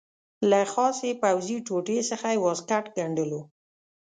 له خاصې پوځي ټوټې څخه یې واسکټ ګنډلو.